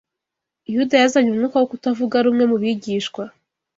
Yuda yazanye umwuka wo kutavuga rumwe mu bigishwa